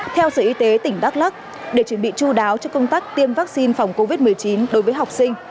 theo sở y tế tỉnh đắk lắc để chu đáo cho công tác tiêm vaccine phòng covid một mươi chín đối với học sinh